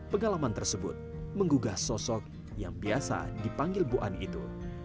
pengalaman tersebut menggugah sosok yang biasa dipanggil bu an itu